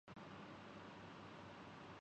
مولا A S F جوانوں کو خراج تحسین